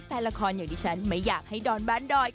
แฟนละครอย่างที่ฉันไม่อยากให้ดอนบ้านดอย